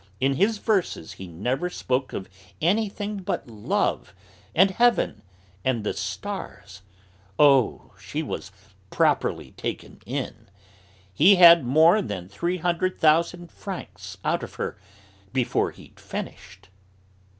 In his verses he never spoke of anything but love, and heaven, and the stars. Oh! she was properly taken in! He had more than three hundred thousand francs out of her before he'd finished."